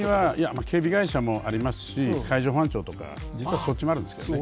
まあ警備会社もありますし海上保安庁とか実はそっちもあるんですけどね。